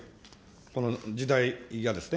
この時代がですね。